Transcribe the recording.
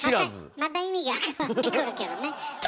また意味が変わってくるけどね。